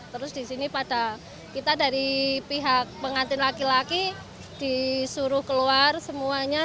terus di sini pada kita dari pihak pengantin laki laki disuruh keluar semuanya